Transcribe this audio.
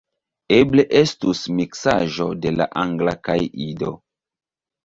Eble estus miksaĵo de la Angla kaj Ido.